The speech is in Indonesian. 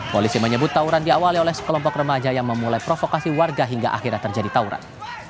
polisi menyebut tawuran diawali oleh sekelompok remaja yang memulai provokasi warga hingga akhirnya terjadi tawuran